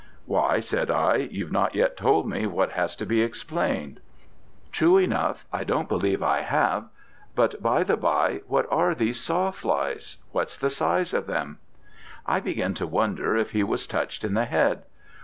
'Why,' said I, 'you've not yet told me what has to be explained.' 'True enough, I don't believe I have; but by the by, what are these sawflies? What's the size of them?' I began to wonder if he was touched in the head.